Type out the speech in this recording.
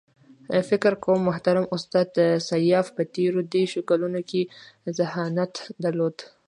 فکر کوم محترم استاد سیاف په تېرو دېرشو کالو کې ذهانت درلود.